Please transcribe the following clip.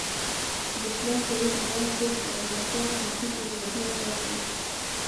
د اسلام تاریخ درېیم ټوک د اکبر شاه نجیب ابادي اثر دی